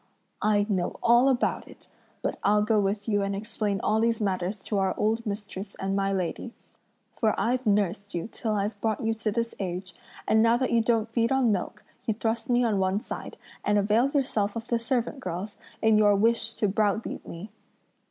I know all about it; but I'll go with you and explain all these matters to our old mistress and my lady; for I've nursed you till I've brought you to this age, and now that you don't feed on milk, you thrust me on one side, and avail yourself of the servant girls, in your wish to browbeat me."